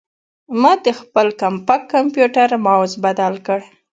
ما د خپل کمپاک کمپیوټر ماؤس بدل کړ.